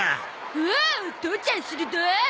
おお父ちゃん鋭い！